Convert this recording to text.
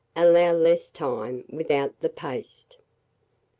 Allow less time without the paste.